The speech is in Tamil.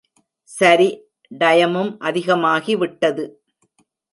சரி டயமும் அதிகமாகிவிட்டது.